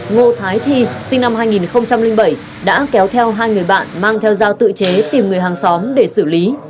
ngô thái thi sinh năm hai nghìn bảy đã kéo theo hai người bạn mang theo dao tự chế tìm người hàng xóm để xử lý